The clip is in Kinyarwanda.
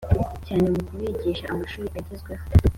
cyane mu kubigisha amashuri agezweho